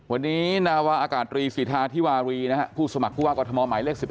วันนี้นาวะอากาศตรีศรีธาธิวารีผู้สมัครผู้ว่ากฎธมหมอหมายเลข๑๑